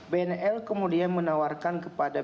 bnl kemudian menawarkan kepada